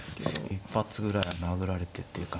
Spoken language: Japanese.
一発ぐらいは殴られてっていう感じだね。